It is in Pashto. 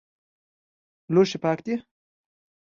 لوښي پاک دي؟